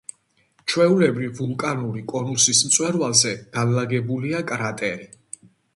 ჩვეულებრივ ვულკანური კონუსის მწვერვალზე განლაგებულია კრატერი.